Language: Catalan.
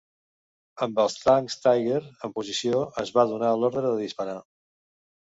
Amb els tancs Tiger en posició, es va donar l"ordre de disparar.